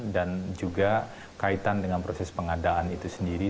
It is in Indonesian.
dan juga kaitan dengan proses pengadaan itu sendiri